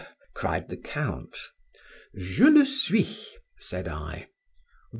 cried the Count.—Je le suis, said I.